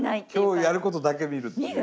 今日やることだけ見るっていう。